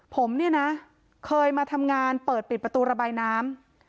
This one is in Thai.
ผมเนี่ยนะเคยมาทำงานเปิดปิดประตูระบายน้ำ